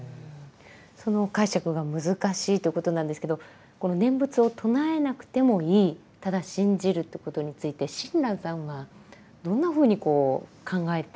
その解釈が難しいということなんですけどこの念仏を唱えなくてもいいただ信じるということについて親鸞さんはどんなふうにこう考えていたんでしょうか？